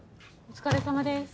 ・お疲れさまです。